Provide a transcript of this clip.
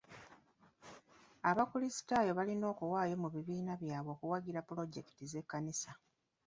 Abakulisitaayo balina okuwaayo mu bibiina byabwe okuwagira pulojekiti z'ekkanisa.